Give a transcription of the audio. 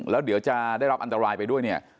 แล้วเดี๋ยวจะได้รับอันตรายไปด้วยเนี่ย